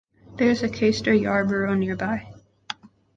There is Caistor Yarborough Nearby.